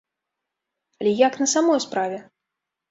Але як на самой справе?